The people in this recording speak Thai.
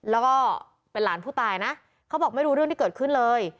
แล้วก็เป็นหลานผู้ตายนะเขาบอกไม่รู้เรื่องที่เกิดขึ้นเลย